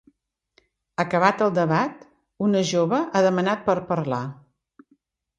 Acabat el debat, una jove ha demanat per parlar.